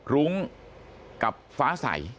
รุ้งกับฟ้าใส